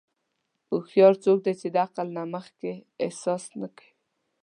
هوښیار څوک دی چې د عقل نه مخکې احساس نه کوي.